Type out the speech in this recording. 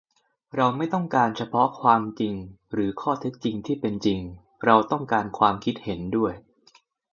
เราไม่ได้ต้องการเฉพาะความจริงหรือข้อเท็จจริงที่เป็นจริง เราต้องการความคิดเห็นด้วย